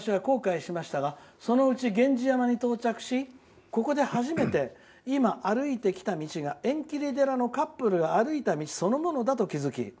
軽装の私は後悔しましたがその後、源氏山に到着し今、歩いてきた道が縁切寺のカップルが歩いた道そのものだと気付き